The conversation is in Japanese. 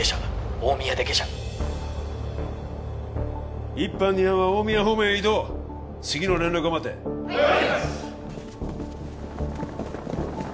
大宮で下車１班２班は大宮方面へ移動次の連絡を待てはい！